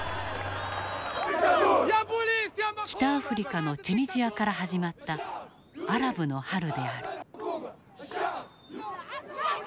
北アフリカのチュニジアから始まったアラブの春である。